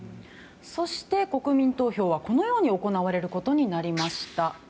そして国民投票はこのように行われることになりました。